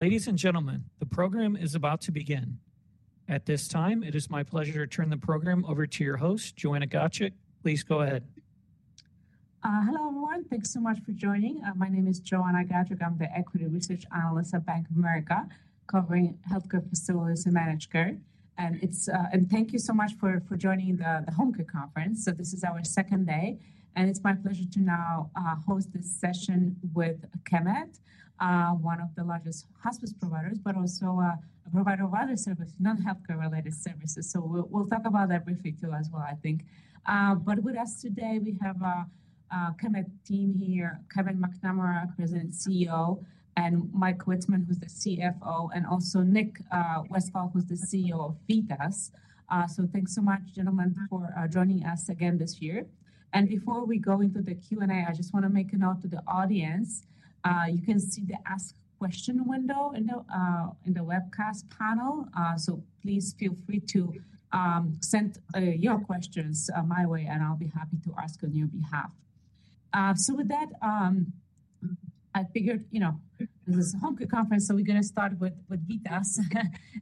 Ladies and gentlemen, the program is about to begin. At this time, it is my pleasure to turn the program over to your host, Joanna Gajuk. Please go ahead. Hello, everyone. Thanks so much for joining. My name is Joanna Gajuk. I'm the Equity Research Analyst at Bank of America, covering healthcare facilities and managed care. And thank you so much for joining the Home Care Conference. So this is our second day, and it's my pleasure to now host this session with Chemed, one of the largest hospice providers, but also a provider of other services, non-healthcare related services. So we'll talk about that briefly too as well, I think. But with us today, we have Chemed's team here: Kevin McNamara, President and CEO, Mike Witzeman, who's the CFO, and also Nick Westfall, who's the CEO of VITAS. So thanks so much, gentlemen, for joining us again this year. And before we go into the Q&A, I just want to make a note to the audience. You can see the Ask Question window in the webcast panel, so please feel free to send your questions my way, and I'll be happy to ask on your behalf. So with that, I figured, you know, this is a Home Care Conference, so we're going to start with VITAS.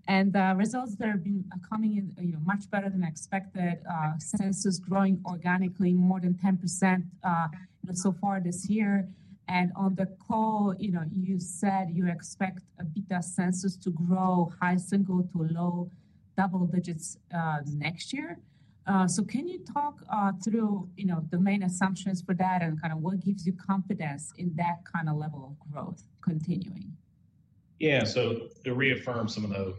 And the results that have been coming in are much better than expected. Census is growing organically, more than 10% so far this year. And on the call, you said you expect a VITAS census to grow high single to low double digits next year. So can you talk through the main assumptions for that and kind of what gives you confidence in that kind of level of growth continuing? Yeah, so to reaffirm some of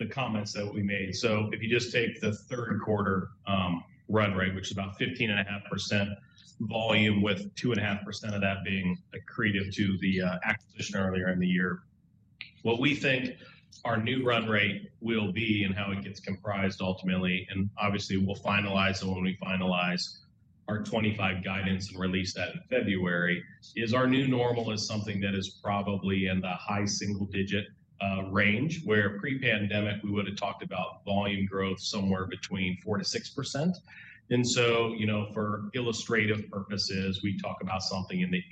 the comments that we made, so if you just take the third quarter run rate, which is about 15.5% volume, with 2.5% of that being accretive to the acquisition earlier in the year, what we think our new run rate will be and how it gets comprised ultimately, and obviously we'll finalize it when we finalize our 2025 guidance and release that in February, is our new normal is something that is probably in the high single digit range, where pre-pandemic we would have talked about volume growth somewhere between 4%-6%, and so, you know, for illustrative purposes, we talk about something in the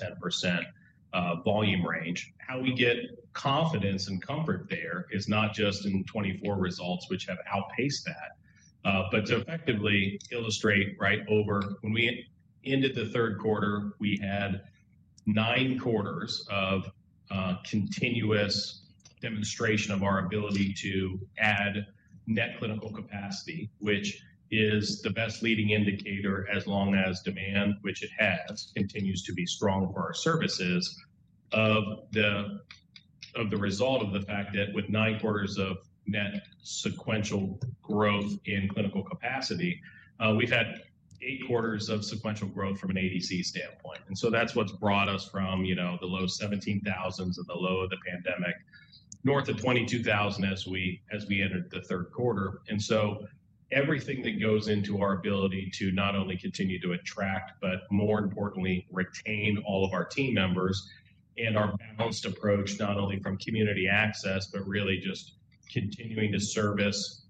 8%-10% volume range. How we get confidence and comfort there is not just in '24 results, which have outpaced that, but to effectively illustrate, right, over when we ended the third quarter, we had nine quarters of continuous demonstration of our ability to add net clinical capacity, which is the best leading indicator as long as demand, which it has, continues to be strong for our services, of the result of the fact that with nine quarters of net sequential growth in clinical capacity, we've had eight quarters of sequential growth from an ADC standpoint, and so that's what's brought us from, you know, the low 17,000s at the low of the pandemic north of 22,000 as we entered the third quarter. And so everything that goes into our ability to not only continue to attract, but more importantly, retain all of our team members and our balanced approach, not only from community access, but really just continuing to service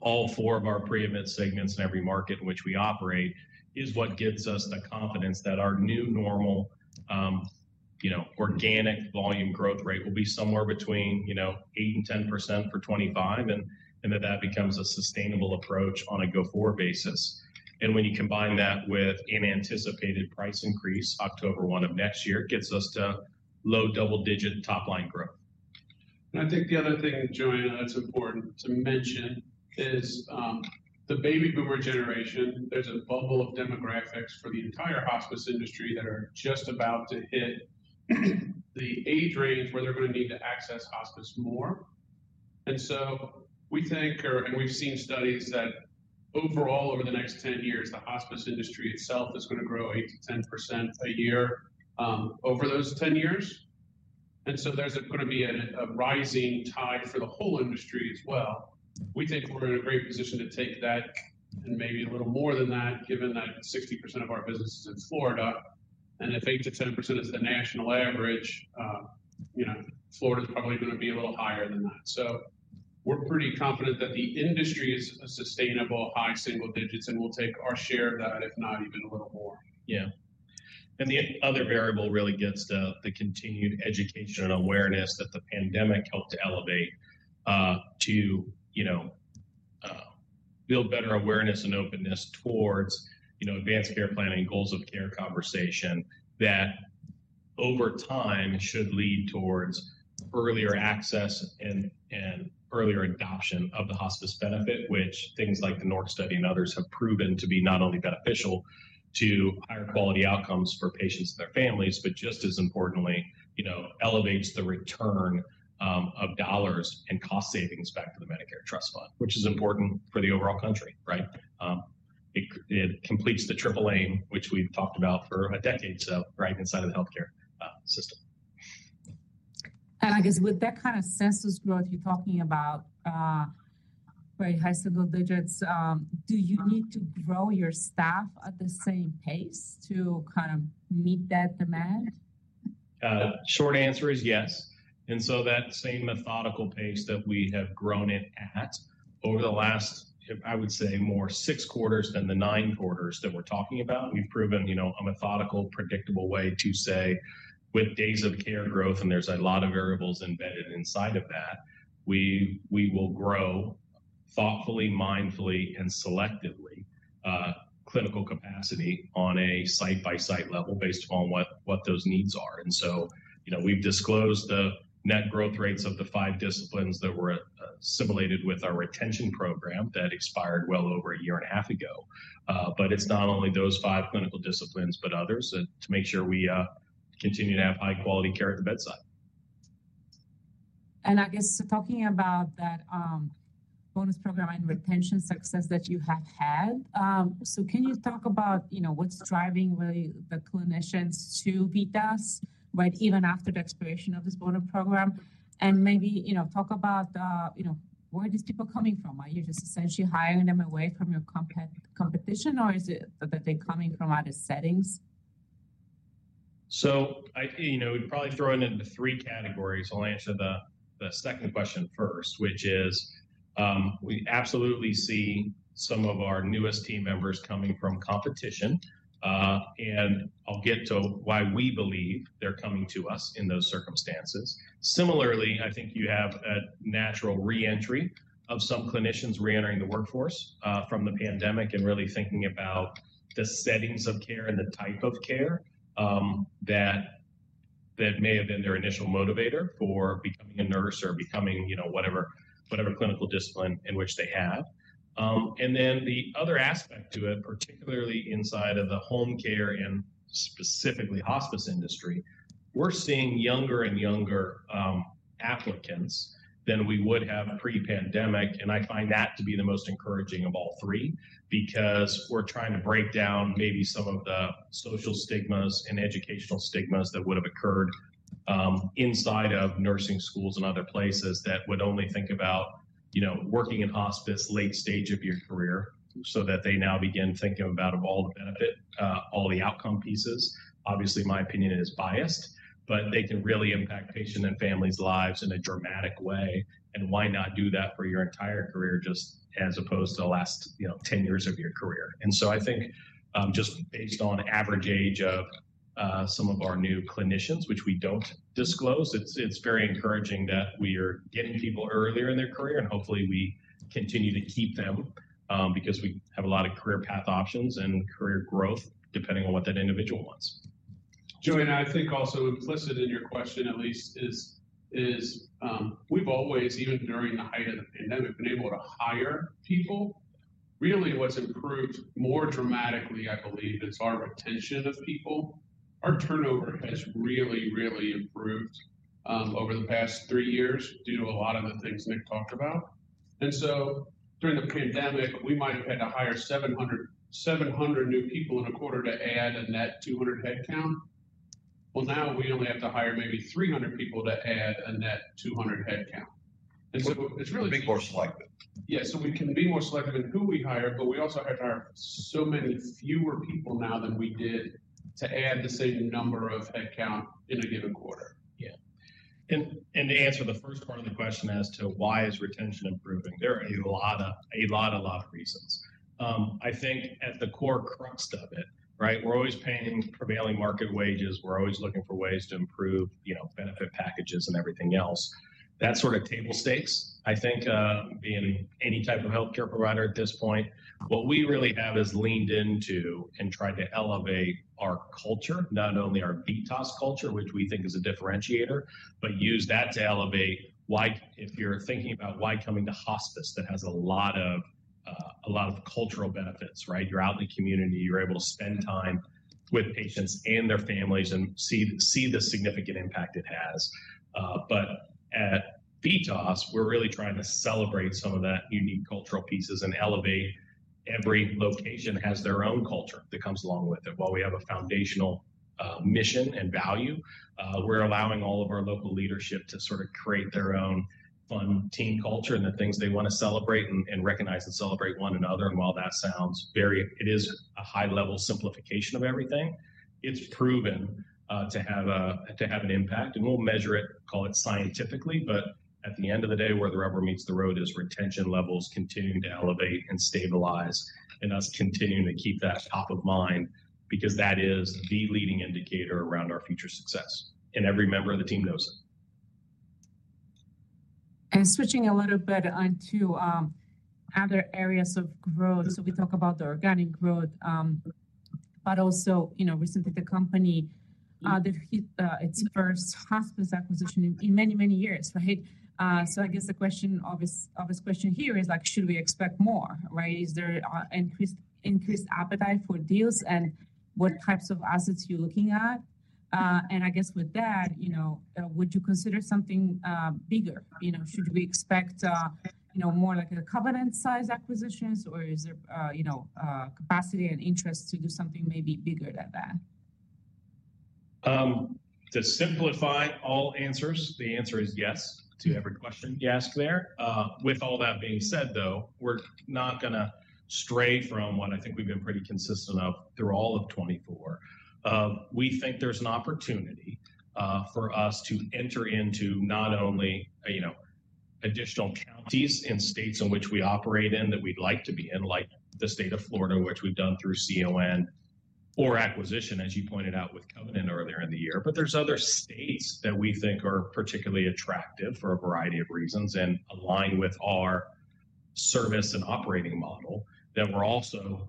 all four of our pre-admit segments in every market in which we operate, is what gives us the confidence that our new normal, you know, organic volume growth rate will be somewhere between, you know, 8% and 10% for 2025, and that that becomes a sustainable approach on a go-forward basis. And when you combine that with an anticipated price increase October 1 of next year, it gets us to low double digit top line growth. I think the other thing, Joanna, that's important to mention is the baby boomer generation. There's a bubble of demographics for the entire hospice industry that are just about to hit the age range where they're going to need to access hospice more. We think, and we've seen studies that overall, over the next 10 years, the hospice industry itself is going to grow 8%-10% a year over those 10 years. There's going to be a rising tide for the whole industry as well. We think we're in a great position to take that and maybe a little more than that, given that 60% of our business is in Florida. If 8%-10% is the national average, you know, Florida's probably going to be a little higher than that. So we're pretty confident that the industry is a sustainable high single digits, and we'll take our share of that, if not even a little more. Yeah, and the other variable really gets to the continued education and awareness that the pandemic helped elevate to, you know, build better awareness and openness towards, you know, advanced care planning, goals of care conversation that over time should lead towards earlier access and earlier adoption of the hospice benefit, which things like the NORC study and others have proven to be not only beneficial to higher quality outcomes for patients and their families, but just as importantly, you know, elevates the return of dollars and cost savings back to the Medicare Trust Fund, which is important for the overall country, right? It completes the triple aim, which we've talked about for a decade or so, right, inside of the healthcare system. I guess with that kind of census growth you're talking about, very high single digits, do you need to grow your staff at the same pace to kind of meet that demand? Short answer is yes, and so that same methodical pace that we have grown it at over the last, I would say, more six quarters than the nine quarters that we're talking about. We've proven, you know, a methodical, predictable way to say with days of care growth, and there's a lot of variables embedded inside of that. We will grow thoughtfully, mindfully, and selectively clinical capacity on a site-by-site level based upon what those needs are, and so, you know, we've disclosed the net growth rates of the five disciplines that were assimilated with our retention program that expired well over a year and a half ago, but it's not only those five clinical disciplines, but others to make sure we continue to have high quality care at the bedside. I guess talking about that bonus program and retention success that you have had, so can you talk about, you know, what's driving really the clinicians to VITAS, right, even after the expiration of this bonus program? And maybe, you know, talk about, you know, where these people are coming from. Are you just essentially hiring them away from your competition, or is it that they're coming from other settings? So, you know, we'd probably throw it into three categories. I'll answer the second question first, which is we absolutely see some of our newest team members coming from competition, and I'll get to why we believe they're coming to us in those circumstances. Similarly, I think you have a natural reentry of some clinicians reentering the workforce from the pandemic and really thinking about the settings of care and the type of care that may have been their initial motivator for becoming a nurse or becoming, you know, whatever clinical discipline in which they have. And then the other aspect to it, particularly inside of the home care and specifically hospice industry, we're seeing younger and younger applicants than we would have pre-pandemic. I find that to be the most encouraging of all three because we're trying to break down maybe some of the social stigmas and educational stigmas that would have occurred inside of nursing schools and other places that would only think about, you know, working in hospice late stage of your career, so that they now begin thinking about all the benefit, all the outcome pieces. Obviously, my opinion is biased, but they can really impact patients and families' lives in a dramatic way. Why not do that for your entire career, just as opposed to the last, you know, 10 years of your career? And so, I think just based on average age of some of our new clinicians, which we don't disclose, it's very encouraging that we are getting people earlier in their career, and hopefully we continue to keep them because we have a lot of career path options and career growth depending on what that individual wants. Joanna, I think also implicit in your question, at least, is we've always, even during the height of the pandemic, been able to hire people. Really, what's improved more dramatically, I believe, is our retention of people. Our turnover has really, really improved over the past three years due to a lot of the things Nick talked about. And so during the pandemic, we might have had to hire 700 new people in a quarter to add a net 200 headcount. Well, now we only have to hire maybe 300 people to add a net 200 headcount. And so it's really just. So we can be more selective. Yeah, so we can be more selective in who we hire, but we also have to hire so many fewer people now than we did to add the same number of headcount in a given quarter. Yeah, and to answer the first part of the question as to why is retention improving, there are a lot, a lot, a lot of reasons. I think at the crux of it, right, we're always paying prevailing market wages. We're always looking for ways to improve, you know, benefit packages and everything else. That sort of table stakes, I think, being any type of healthcare provider at this point, what we really have is leaned into and tried to elevate our culture, not only our VITAS culture, which we think is a differentiator, but use that to elevate why, if you're thinking about why coming to hospice that has a lot of cultural benefits, right? You're out in the community, you're able to spend time with patients and their families and see the significant impact it has. But at VITAS, we're really trying to celebrate some of that unique cultural pieces and elevate every location that has their own culture that comes along with it. While we have a foundational mission and value, we're allowing all of our local leadership to sort of create their own fun team culture and the things they want to celebrate and recognize and celebrate one another. And while that sounds very, it is a high level simplification of everything. It's proven to have an impact, and we'll measure it, call it scientifically, but at the end of the day, where the rubber meets the road is retention levels continuing to elevate and stabilize and us continuing to keep that top of mind because that is the leading indicator around our future success, and every member of the team knows it. And switching a little bit onto other areas of growth. So we talk about the organic growth, but also, you know, recently the company did its first hospice acquisition in many, many years, right? So I guess the question, obvious question here is like, should we expect more, right? Is there increased appetite for deals and what types of assets you're looking at? And I guess with that, you know, would you consider something bigger? You know, should we expect, you know, more like a Covenant-sized acquisitions, or is there, you know, capacity and interest to do something maybe bigger than that? To simplify all answers, the answer is yes to every question you ask there. With all that being said, though, we're not going to stray from what I think we've been pretty consistent of through all of 2024. We think there's an opportunity for us to enter into not only, you know, additional counties and states in which we operate in that we'd like to be in, like the state of Florida, which we've done through CON or acquisition, as you pointed out with Covenant earlier in the year. But there's other states that we think are particularly attractive for a variety of reasons and align with our service and operating model that we're also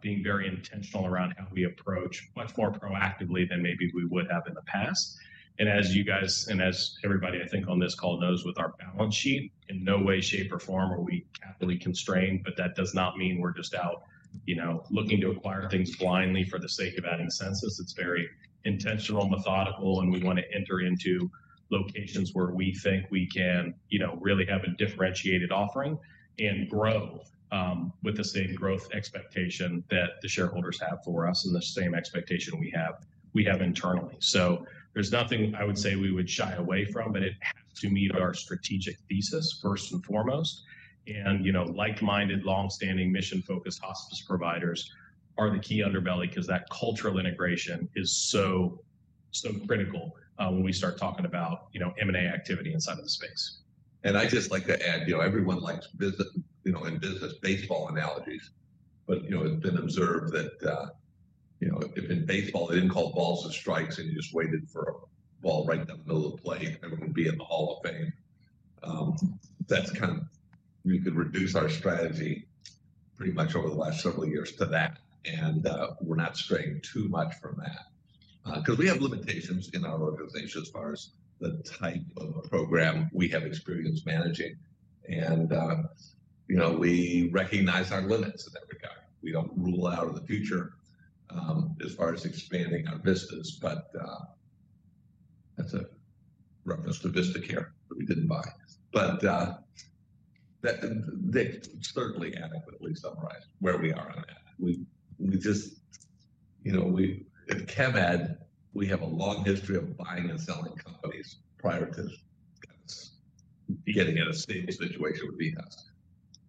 being very intentional around how we approach much more proactively than maybe we would have in the past. As you guys and as everybody, I think, on this call knows with our balance sheet, in no way, shape, or form are we capitally constrained, but that does not mean we're just out, you know, looking to acquire things blindly for the sake of adding census. It's very intentional, methodical, and we want to enter into locations where we think we can, you know, really have a differentiated offering and grow with the same growth expectation that the shareholders have for us and the same expectation we have internally. There's nothing I would say we would shy away from, but it has to meet our strategic thesis first and foremost. Like-minded, longstanding, mission-focused hospice providers are the key underbelly because that cultural integration is so, so critical when we start talking about, you know, M&A activity inside of the space. I'd just like to add, you know, everyone likes, you know, in business, baseball analogies, but, you know, it's been observed that, you know, if in baseball, they didn't call balls as strikes and you just waited for a ball right in the middle of the play, everyone would be in the Hall of Fame. That's kind of, we could reduce our strategy pretty much over the last several years to that, and we're not straying too much from that because we have limitations in our organization as far as the type of program we have experience managing. You know, we recognize our limits in that regard. We don't rule out in the future as far as expanding our vistas, but that's a reference to VistaCare that we didn't buy. But that certainly adequately summarized where we are on that. We just, you know, at Chemed, we have a long history of buying and selling companies prior to getting to a stable situation with VITAS.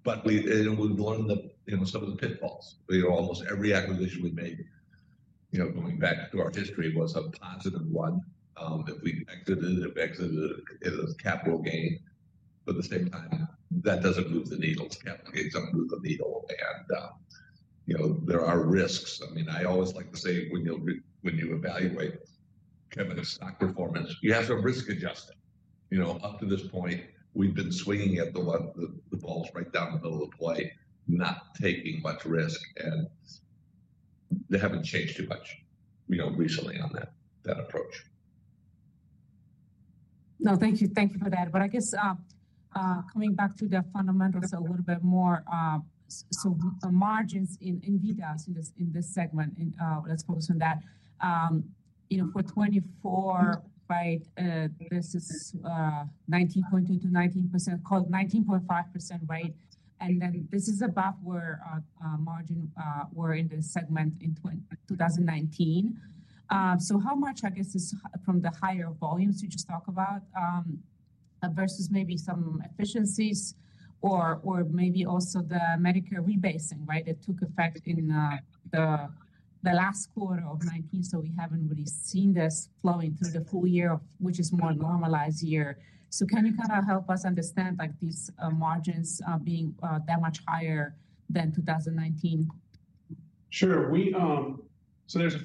But we've learned that, you know, some of the pitfalls. We were almost every acquisition we made, you know, going back to our history was a positive one. If we exited it, it exited it as a capital gain. But at the same time, that doesn't move the needle. Capital gains don't move the needle. And, you know, there are risks. I mean, I always like to say when you evaluate Chemed's stock performance, you have to risk-adjust it. You know, up to this point, we've been swinging at the pitches right down the middle of the plate, not taking much risk, and they haven't changed too much, you know, recently on that approach. No, thank you. Thank you for that. But I guess coming back to the fundamentals a little bit more, so the margins in VITAS in this segment, let's focus on that. You know, for 2024, right, this is 19.2%-19%, called 19.5%, right? And then this is above where margins were in this segment in 2019. So how much, I guess, is from the higher volumes you just talked about versus maybe some efficiencies or maybe also the Medicare rebasing, right, that took effect in the last quarter of 2019? So we haven't really seen this flowing through the full year, which is more a normalized year. So can you kind of help us understand, like, these margins being that much higher than 2019? Sure. So there's a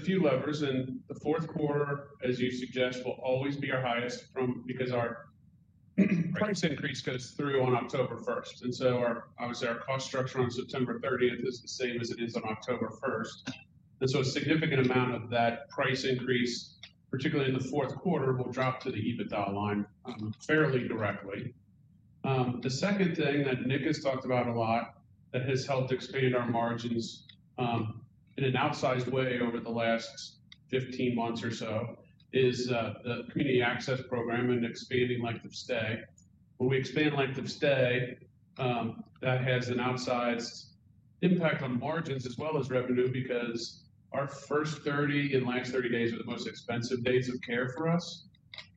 few levers, and the fourth quarter, as you suggest, will always be our highest because our price increase goes through on October 1st. And so obviously our cost structure on September 30th is the same as it is on October 1st. And so a significant amount of that price increase, particularly in the fourth quarter, will drop to the EBITDA line fairly directly. The second thing that Nick has talked about a lot that has helped expand our margins in an outsized way over the last 15 months or so is the Community Access Program and expanding length of stay. When we expand length of stay, that has an outsized impact on margins as well as revenue because our first 30 and last 30 days are the most expensive days of care for us.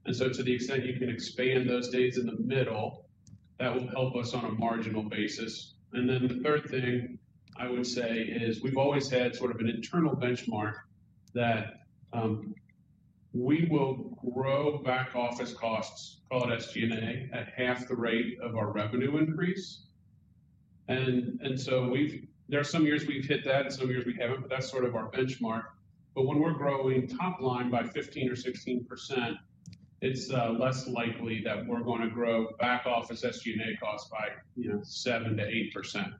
And so to the extent you can expand those days in the middle, that will help us on a marginal basis. And then the third thing I would say is we've always had sort of an internal benchmark that we will grow back office costs, call it SG&A, at half the rate of our revenue increase. And so there are some years we've hit that and some years we haven't, but that's sort of our benchmark. But when we're growing top line by 15% or 16%, it's less likely that we're going to grow back office SG&A costs by, you know, 7%-8%.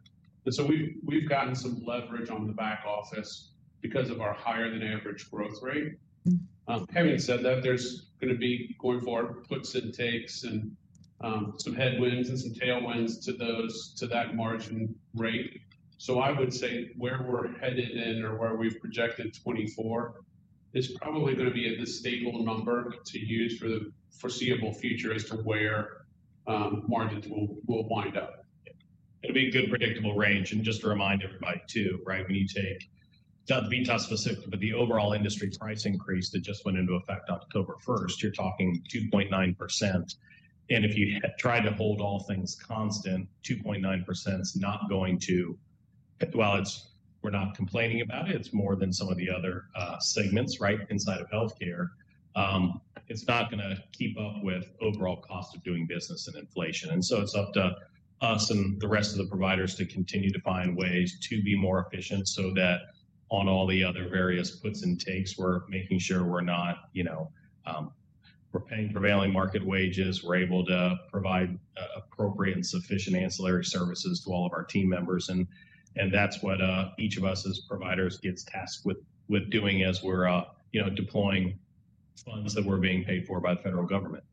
And so we've gotten some leverage on the back office because of our higher than average growth rate. Having said that, there's going to be going forward puts and takes and some headwinds and some tailwinds to that margin rate. So I would say where we're headed in or where we've projected 2024 is probably going to be the stable number to use for the foreseeable future as to where margins will wind up. It'll be a good predictable range. And just to remind everybody too, right, when you take not the VITAS specifically, but the overall industry price increase that just went into effect October 1st, you're talking 2.9%. And if you try to hold all things constant, 2.9% is not going to, well, we're not complaining about it. It's more than some of the other segments, right, inside of healthcare. It's not going to keep up with overall cost of doing business and inflation. And so it's up to us and the rest of the providers to continue to find ways to be more efficient so that on all the other various puts and takes, we're making sure we're not, you know, we're paying prevailing market wages, we're able to provide appropriate and sufficient ancillary services to all of our team members. And that's what each of us as providers gets tasked with doing as we're, you know, deploying funds that we're being paid for by the federal government.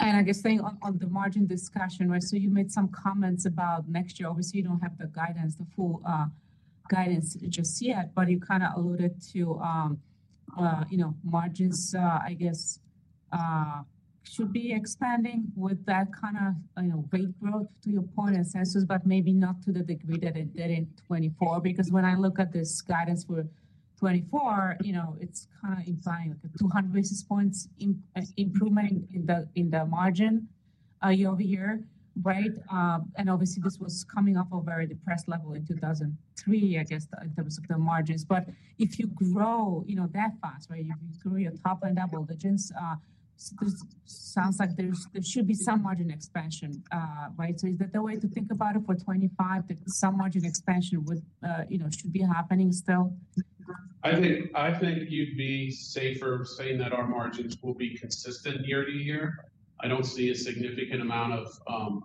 I guess staying on the margin discussion, right? So you made some comments about next year. Obviously, you don't have the guidance, the full guidance just yet, but you kind of alluded to, you know, margins, I guess, should be expanding with that kind of, you know, rate growth to your point and census, but maybe not to the degree that it did in 2024. Because when I look at this guidance for 2024, you know, it's kind of implying like a 200 basis points improvement in the margin year-over-year, right? And obviously, this was coming off a very depressed level in 2023, I guess, in terms of the margins. But if you grow, you know, that fast, right? If you grow your top line double digits, sounds like there should be some margin expansion, right? So is that the way to think about it for 2025, that some margin expansion would, you know, should be happening still? I think you'd be safer saying that our margins will be consistent year to year. I don't see a significant amount of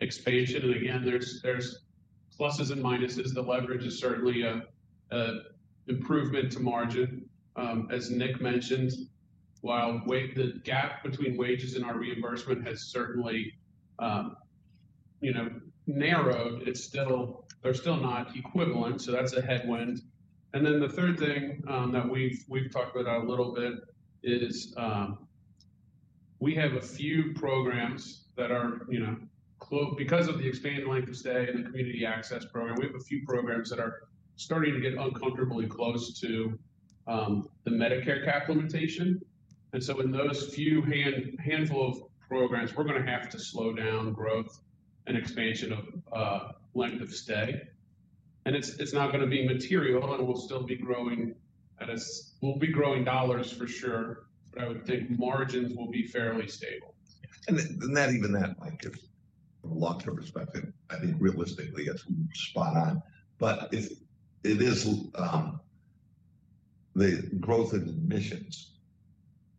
expansion, and again, there's pluses and minuses. The leverage is certainly an improvement to margin. As Nick mentioned, while the gap between wages and our reimbursement has certainly, you know, narrowed, it's still, they're still not equivalent. So that's a headwind, and then the third thing that we've talked about a little bit is we have a few programs that are, you know, because of the expanded length of stay and the community access program, we have a few programs that are starting to get uncomfortably close to the Medicare cap limitation, and so in those few handful of programs, we're going to have to slow down growth and expansion of length of stay. It's not going to be material, and we'll still be growing. We'll be growing dollars for sure, but I would think margins will be fairly stable. And not even that, like, from a long-term perspective, I think realistically it's spot on. But the growth in admissions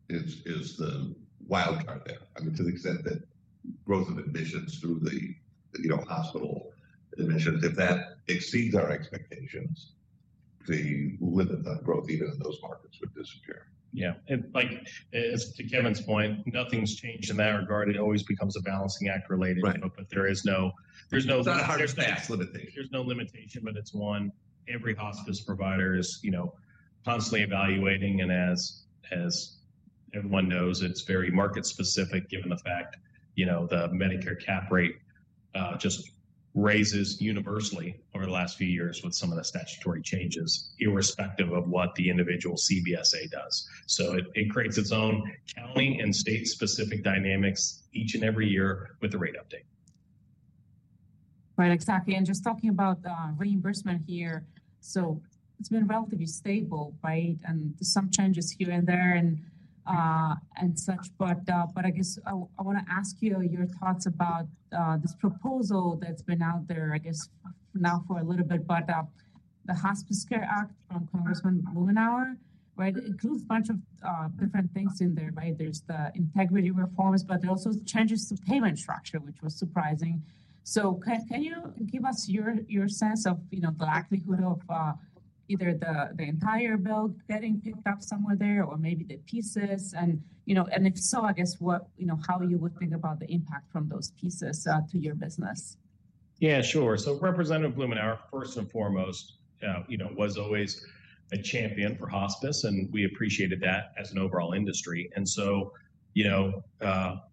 is the wild card there. I mean, to the extent that growth of admissions through the, you know, hospital admissions, if that exceeds our expectations, the limit of growth even in those markets would disappear. Yeah. And like to Kevin's point, nothing's changed in that regard. It always becomes a balancing act related, but there's no. Not a hard-to-pass limitation. There's no limitation, but it's one every hospice provider is, you know, constantly evaluating. And as everyone knows, it's very market-specific given the fact, you know, the Medicare cap rate just raises universally over the last few years with some of the statutory changes irrespective of what the individual CBSA does. So it creates its own county and state-specific dynamics each and every year with the rate update. Right. Exactly. And just talking about reimbursement here, so it's been relatively stable, right, and some changes here and there and such. But I guess I want to ask you your thoughts about this proposal that's been out there, I guess, now for a little bit. But the Hospice Care Act from Congressman Blumenauer, right, includes a bunch of different things in there, right? There's the integrity reforms, but there are also changes to payment structure, which was surprising. So can you give us your sense of, you know, the likelihood of either the entire bill getting picked up somewhere there or maybe the pieces? And, you know, and if so, I guess what, you know, how you would think about the impact from those pieces to your business? Yeah, sure. So Representative Earl Blumenauer, first and foremost, you know, was always a champion for hospice, and we appreciated that as an overall industry. And so, you know,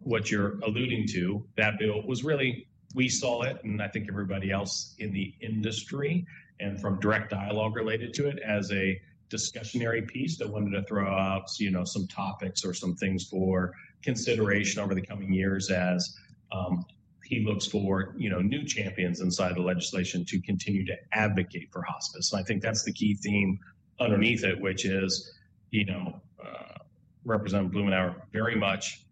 what you're alluding to, that bill was really, we saw it, and I think everybody else in the industry and from direct dialogue related to it as a discussionary piece that wanted to throw out, you know, some topics or some things for consideration over the coming years as he looks for, you know, new champions inside the legislation to continue to advocate for hospice. And I think that's the key theme underneath it, which is, you know, Representative Earl Blumenauer very much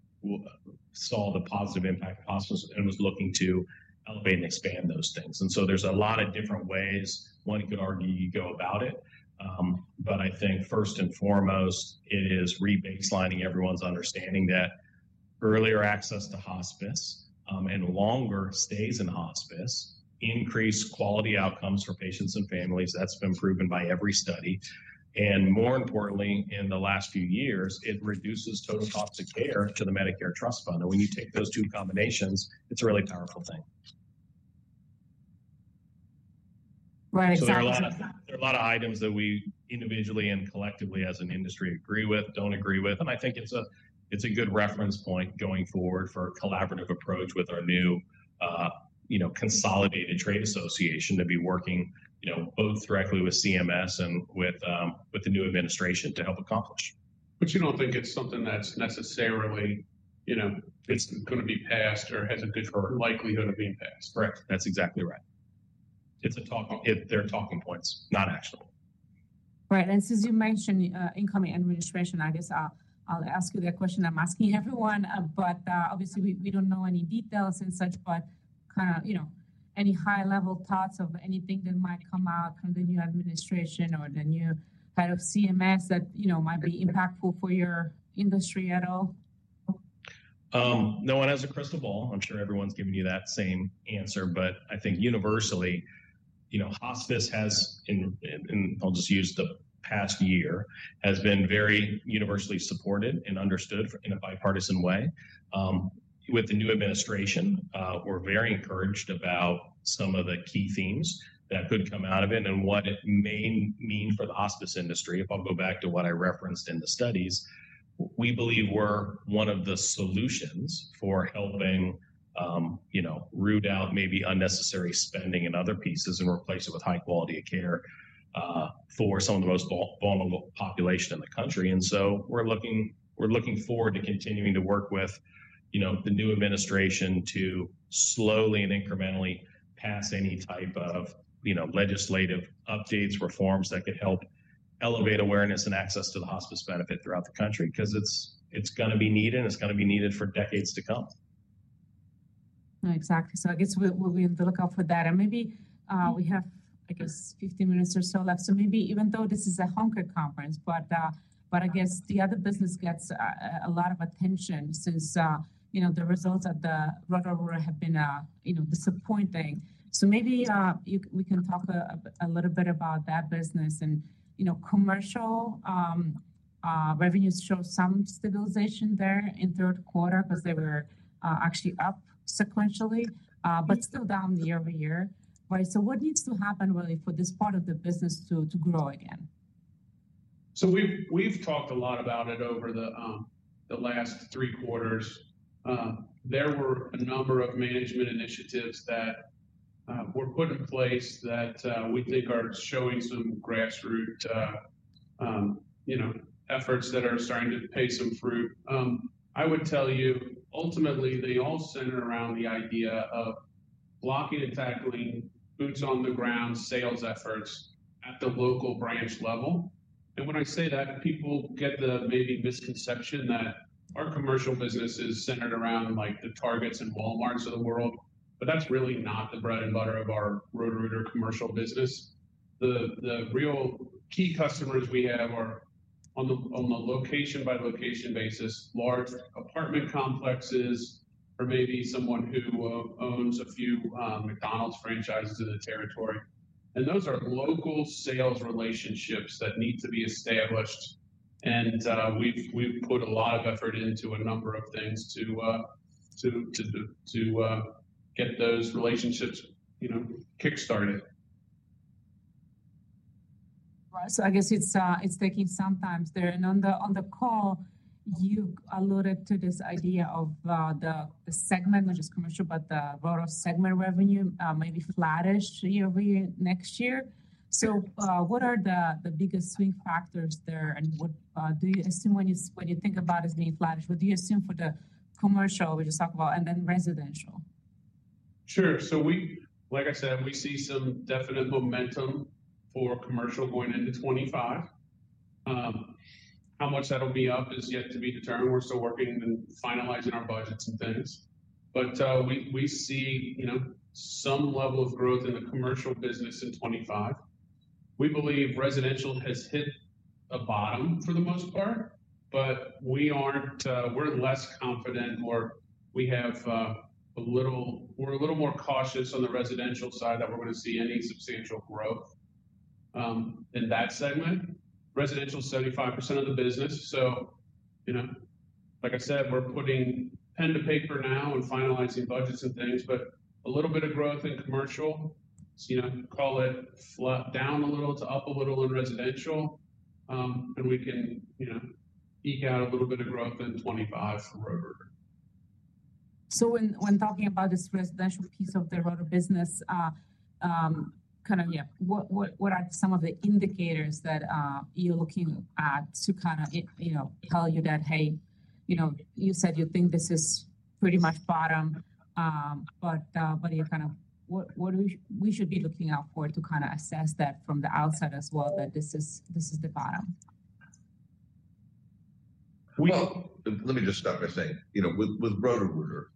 saw the positive impact of hospice and was looking to elevate and expand those things. And so there's a lot of different ways. One could argue you go about it, but I think first and foremost, it is rebaselining everyone's understanding that earlier access to hospice and longer stays in hospice increase quality outcomes for patients and families. That's been proven by every study, and more importantly, in the last few years, it reduces total cost of care to the Medicare Trust Fund, and when you take those two combinations, it's a really powerful thing. Right. So there are a lot of items that we individually and collectively as an industry agree with, don't agree with, and I think it's a good reference point going forward for a collaborative approach with our new, you know, consolidated trade association to be working, you know, both directly with CMS and with the new administration to help accomplish. But you don't think it's something that's necessarily, you know, it's going to be passed or has a good likelihood of being passed, correct? That's exactly right. It's a talking point. They're talking points, not actionable. Right. And since you mentioned incoming administration, I guess I'll ask you the question I'm asking everyone, but obviously we don't know any details and such, but kind of, you know, any high-level thoughts of anything that might come out from the new administration or the new head of CMS that, you know, might be impactful for your industry at all? No one has a crystal ball. I'm sure everyone's given you that same answer, but I think universally, you know, hospice has, and I'll just use the past year, has been very universally supported and understood in a bipartisan way. With the new administration, we're very encouraged about some of the key themes that could come out of it and what it may mean for the hospice industry. If I'll go back to what I referenced in the studies, we believe we're one of the solutions for helping, you know, root out maybe unnecessary spending and other pieces and replace it with high quality of care for some of the most vulnerable population in the country. And so we're looking forward to continuing to work with, you know, the new administration to slowly and incrementally pass any type of, you know, legislative updates, reforms that could help elevate awareness and access to the hospice benefit throughout the country because it's going to be needed and it's going to be needed for decades to come. Exactly, so I guess we'll be on the lookout for that, and maybe we have, I guess, 15 minutes or so left, so maybe even though this is a hospice conference, but I guess the other business gets a lot of attention since, you know, the results at the Roto-Rooter have been, you know, disappointing. So maybe we can talk a little bit about that business, and, you know, commercial revenues show some stabilization there in third quarter because they were actually up sequentially, but still down year-over-year, right? So what needs to happen really for this part of the business to grow again? So we've talked a lot about it over the last three quarters. There were a number of management initiatives that were put in place that we think are showing some grassroots, you know, efforts that are starting to pay some fruit. I would tell you, ultimately, they all center around the idea of blocking and tackling boots on the ground sales efforts at the local branch level. And when I say that, people get the maybe misconception that our commercial business is centered around like the Targets and Walmarts of the world, but that's really not the bread and butter of our Roto-Rooter commercial business. The real key customers we have are on the location-by-location basis, large apartment complexes, or maybe someone who owns a few McDonald's franchises in the territory. And those are local sales relationships that need to be established. We've put a lot of effort into a number of things to get those relationships, you know, kickstarted. Right. So I guess it's taking some time there. And on the call, you alluded to this idea of the segment, which is commercial, but the Roto-Rooter segment revenue may be flattish year-over-year next year. So what are the biggest swing factors there? And what do you assume when you think about it as being flatish? What do you assume for the commercial, which is talk about, and then residential? Sure. So we, like I said, we see some definite momentum for commercial going into 2025. How much that'll be up is yet to be determined. We're still working and finalizing our budgets and things. But we see, you know, some level of growth in the commercial business in 2025. We believe residential has hit a bottom for the most part, but we aren't, we're less confident or we have a little, we're a little more cautious on the residential side that we're going to see any substantial growth in that segment. Residential, 75% of the business. So, you know, like I said, we're putting pen to paper now and finalizing budgets and things, but a little bit of growth in commercial, you know, call it down a little to up a little in residential. And we can, you know, eke out a little bit of growth in 2025 for Roto-Rooter. So when talking about this residential piece of the Roto-Rooter business, kind of, yeah, what are some of the indicators that you're looking at to kind of, you know, tell you that, hey, you know, you said you think this is pretty much bottom, but you're kind of, what we should be looking out for to kind of assess that from the outside as well, that this is the bottom? Let me just start by saying, you know, with Roto-Rooter,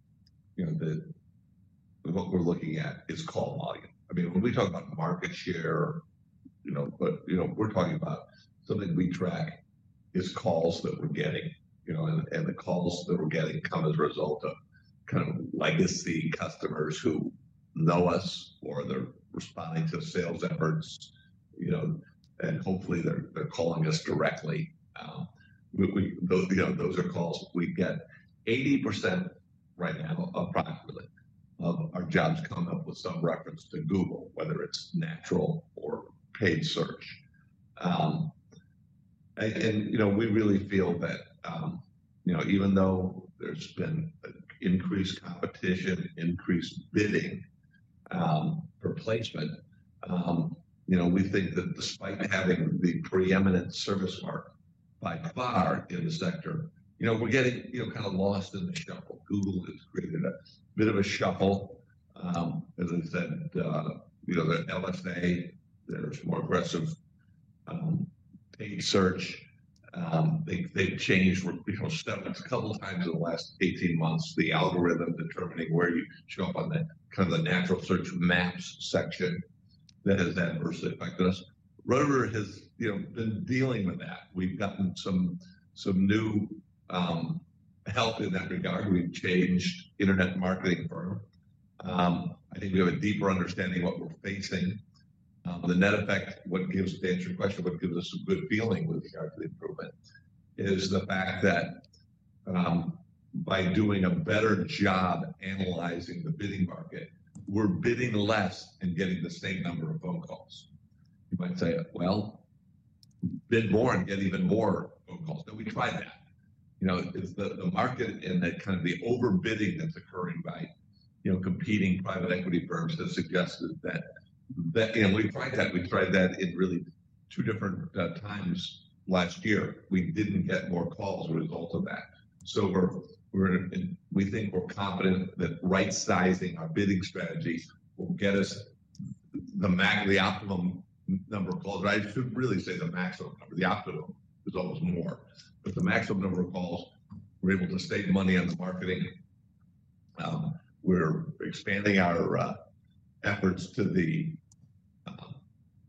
you know, what we're looking at is call volume. I mean, when we talk about market share, you know, but, you know, we're talking about something we track is calls that we're getting, you know, and the calls that we're getting come as a result of kind of legacy customers who know us or they're responding to sales efforts, you know, and hopefully they're calling us directly. You know, those are calls we get. 80% right now, approximately, of our jobs come up with some reference to Google, whether it's natural or paid search. You know, we really feel that, you know, even though there's been increased competition, increased bidding for placement, you know, we think that despite having the preeminent service mark by far in the sector, you know, we're getting, you know, kind of lost in the shuffle. Google has created a bit of a shuffle. As I said, you know, the LSA, there's more aggressive paid search. They've changed, you know, a couple of times in the last 18 months, the algorithm determining where you show up on the kind of the natural search maps section that has adversely affected us. Roto-Rooter has, you know, been dealing with that. We've gotten some new help in that regard. We've changed internet marketing for them. I think we have a deeper understanding of what we're facing. The net effect, what gives to answer your question, what gives us a good feeling with regard to the improvement is the fact that by doing a better job analyzing the bidding market, we're bidding less and getting the same number of phone calls. You might say, well, bid more and get even more phone calls. And we tried that. You know, the market and that kind of the overbidding that's occurring by, you know, competing private equity firms has suggested that, and we tried that. We tried that in really two different times last year. We didn't get more calls as a result of that. So we think we're confident that right-sizing our bidding strategy will get us the optimum number of calls. I shouldn't really say the maximum number. The optimum is always more. But the maximum number of calls, we're able to save money on the marketing. We're expanding our efforts to the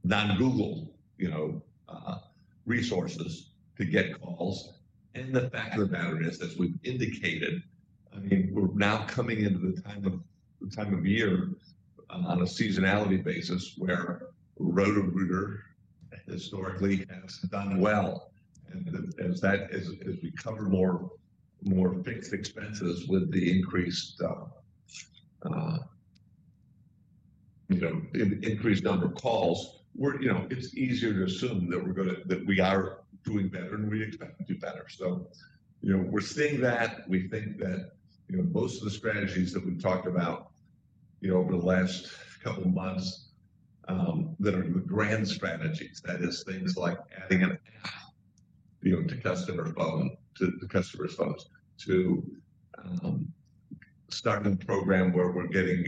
non-Google, you know, resources to get calls. The fact of the matter is, as we've indicated, I mean, we're now coming into the time of year on a seasonality basis where Roto-Rooter historically has done well. As we cover more fixed expenses with the increased, you know, number of calls, we're, you know, it's easier to assume that we're going to, that we are doing better and we expect to do better. So, you know, we're seeing that. We think that, you know, most of the strategies that we've talked about, you know, over the last couple of months that are the grand strategies, that is things like adding an app, you know, to customers' phones, to starting a program where we're getting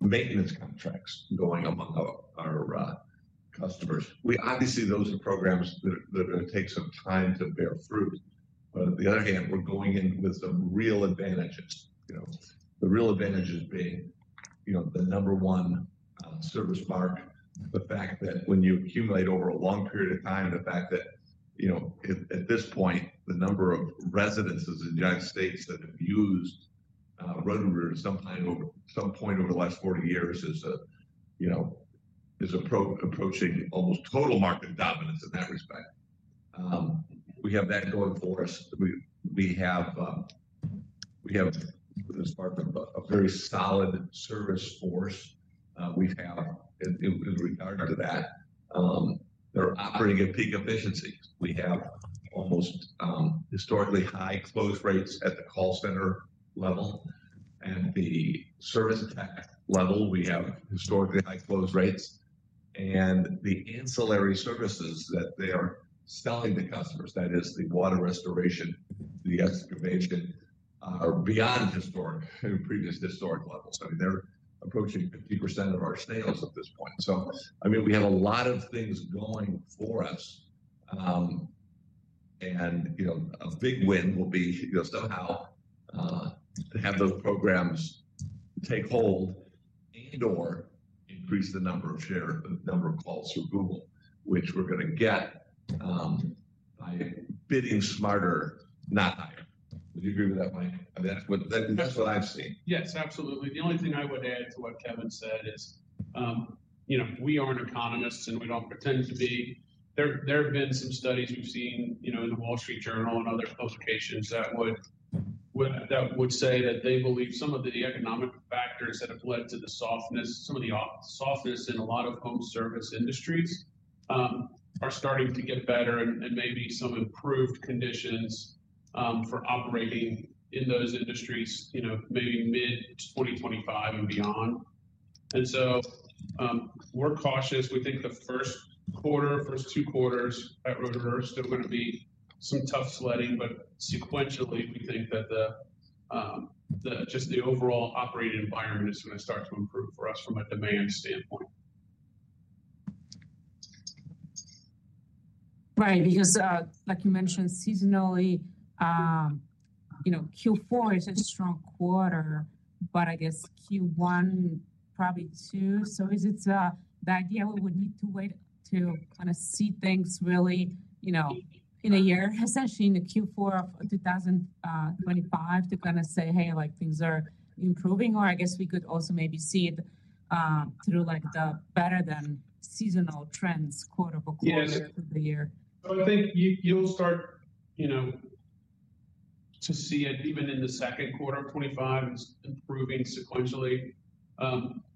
maintenance contracts going among our customers. We obviously, those are programs that are going to take some time to bear fruit. But on the other hand, we're going in with some real advantages, you know, the real advantages being, you know, the number one service mark, the fact that when you accumulate over a long period of time, the fact that, you know, at this point, the number of residents in the United States that have used Roto-Rooter at some point over the last 40 years is, you know, approaching almost total market dominance in that respect. We have that going for us. We have a very solid service force. We have, in regard to that, they're operating at peak efficiencies. We have almost historically high close rates at the call center level. At the service tech level, we have historically high close rates. The ancillary services that they are selling to customers, that is the water restoration, the excavation, are beyond historic and previous historic levels. I mean, they're approaching 50% of our sales at this point. I mean, we have a lot of things going for us. You know, a big win will be, you know, somehow have those programs take hold and/or increase the number of share, the number of calls through Google, which we're going to get by bidding smarter, not higher. Would you agree with that, Mike? That's what I've seen. Yes, absolutely. The only thing I would add to what Kevin said is, you know, we aren't economists and we don't pretend to be. There have been some studies we've seen, you know, in the Wall Street Journal and other publications that would say that they believe some of the economic factors that have led to the softness, some of the softness in a lot of home service industries are starting to get better and maybe some improved conditions for operating in those industries, you know, maybe mid-2025 and beyond, and so we're cautious. We think the first quarter, first two quarters at Roto-Rooter are still going to be some tough sledding, but sequentially, we think that just the overall operating environment is going to start to improve for us from a demand standpoint. Right. Because, like you mentioned, seasonally, you know, Q4 is a strong quarter, but I guess Q1, probably Q2. So is it the idea we would need to wait to kind of see things really, you know, in a year, essentially in the Q4 of 2025 to kind of say, hey, like things are improving? Or I guess we could also maybe see it through like the better than seasonal trends, quarter over quarter through the year. I think you'll start, you know, to see it even in the second quarter of 2025 is improving sequentially.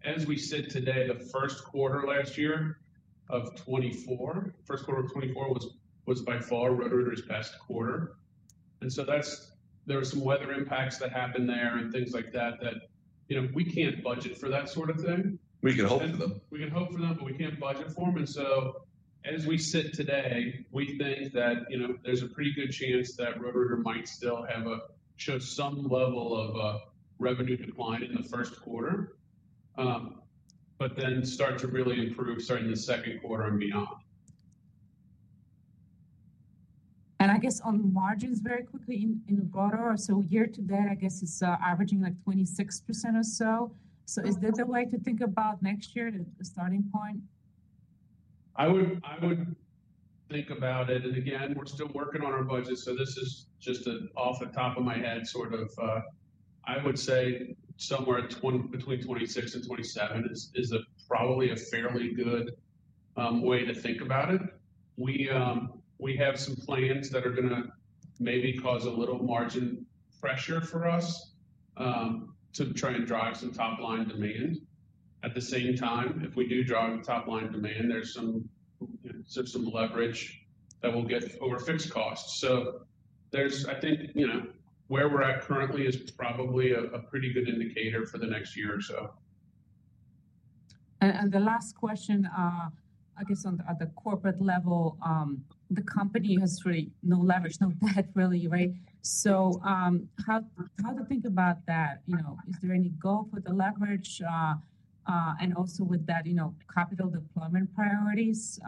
As we sit today, the first quarter last year of 2024, first quarter of 2024 was by far Roto-Rooter's best quarter. There were some weather impacts that happened there and things like that that, you know, we can't budget for that sort of thing. We can hope for them. We can hope for them, but we can't budget for them. And so as we sit today, we think that, you know, there's a pretty good chance that Roto-Rooter might still show some level of revenue decline in the first quarter, but then start to really improve starting the second quarter and beyond. I guess on margins very quickly in Roto-Rooter, year to date, I guess it's averaging like 26% or so. Is this a way to think about next year, the starting point? I would think about it and again, we're still working on our budget. So this is just off the top of my head sort of. I would say somewhere between 26 and 27 is probably a fairly good way to think about it. We have some plans that are going to maybe cause a little margin pressure for us to try and drive some top-line demand. At the same time, if we do drive top-line demand, there's some leverage that we'll get over fixed costs. So there's, I think, you know, where we're at currently is probably a pretty good indicator for the next year or so. The last question, I guess on the corporate level, the company has really no leverage, no debt really, right? So how to think about that? You know, is there any goal for the leverage? And also with that, you know, capital deployment priorities,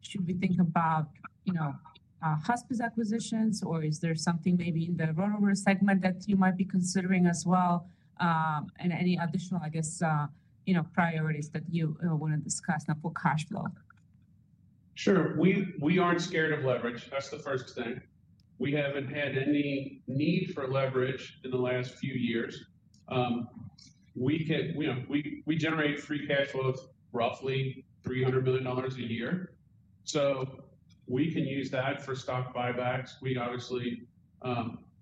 should we think about, you know, hospice acquisitions or is there something maybe in the Roto-Rooter segment that you might be considering as well? And any additional, I guess, you know, priorities that you want to discuss now for cash flow? Sure. We aren't scared of leverage. That's the first thing. We haven't had any need for leverage in the last few years. We can, you know, we generate free cash flow of roughly $300 million a year. So we can use that for stock buybacks. We obviously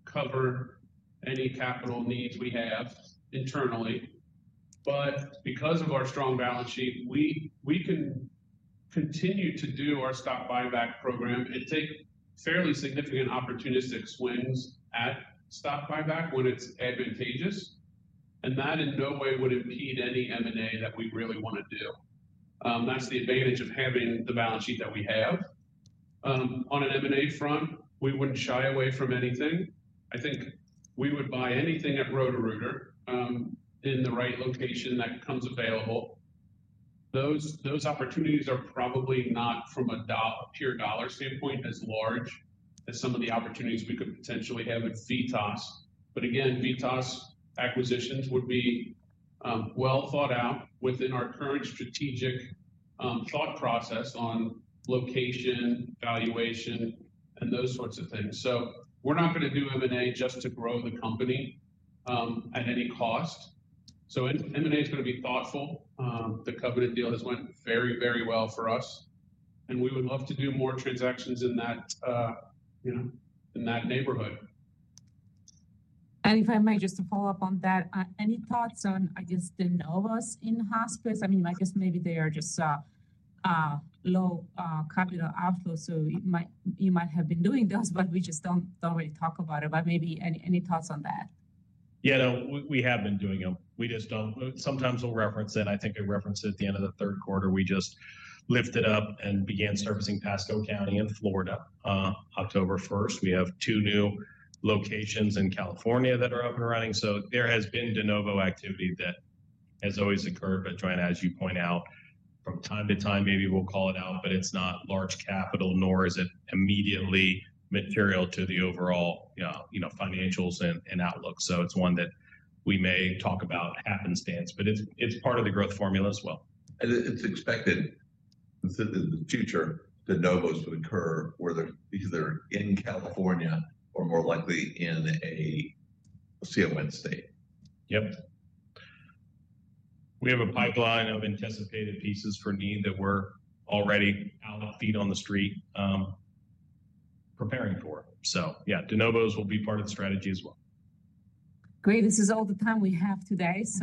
cover any capital needs we have internally. But because of our strong balance sheet, we can continue to do our stock buyback program and take fairly significant opportunistic swings at stock buyback when it's advantageous. And that in no way would impede any M&A that we really want to do. That's the advantage of having the balance sheet that we have. On an M&A front, we wouldn't shy away from anything. I think we would buy anything at Roto-Rooter in the right location that comes available. Those opportunities are probably not from a pure dollar standpoint as large as some of the opportunities we could potentially have at VITAS. But again, VITAS acquisitions would be well thought out within our current strategic thought process on location, valuation, and those sorts of things. So we're not going to do M&A just to grow the company at any cost. So M&A is going to be thoughtful. The Covenant deal has went very, very well for us. And we would love to do more transactions in that, you know, in that neighborhood. And if I may just to follow up on that, any thoughts on, I guess, the de novo in hospice? I mean, I guess maybe they are just low capital outlay. So you might have been doing those, but we just don't really talk about it. But maybe any thoughts on that? Yeah, no, we have been doing them. We just don't. Sometimes we'll reference it. I think I referenced it at the end of the third quarter. We just lifted up and began servicing Pasco County in Florida October 1st. We have two new locations in California that are up and running, so there has been de novo activity that has always occurred. But Joanna, as you point out, from time to time, maybe we'll call it out, but it's not large capital, nor is it immediately material to the overall, you know, financials and outlook, so it's one that we may talk about happenstance, but it's part of the growth formula as well. It's expected in the future that de novo would occur where they're either in California or more likely in a CON state. Yep. We have a pipeline of anticipated CONs that we're already with feet on the street preparing for. So yeah, de novos will be part of the strategy as well. Great. This is all the time we have today. So.